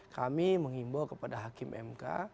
kami mengimbau kepada hakim mk